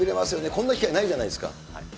こんな機会ないじゃないですか。